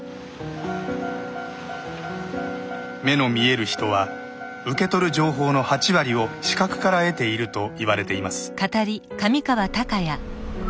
目の見える人は受け取る情報の８割を視覚から得ているといわれています。